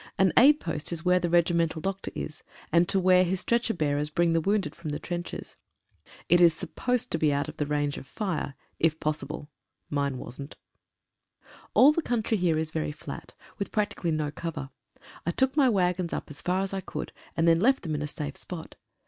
An aid post is where the re gimental doctor is, and to where his stretcher bearers bring the wounded from the trenches. It is supposed to be out of range of fire, if possible — mine wasn't. All the country here is very flat, with practically no cover. I took my waggons up as far as I could, and then left them in a safe spot.